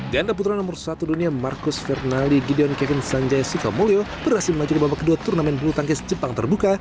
ganda putra nomor satu dunia marcus furnali gideon kevin sanjay sikamulyo berhasil melaju ke babak kedua turnamen bulu tangkis jepang terbuka dua ribu delapan belas